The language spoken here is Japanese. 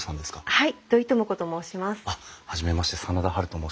はい。